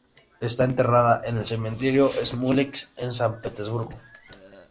Está enterrada en el cementerio Smolensk, en San Petersburgo.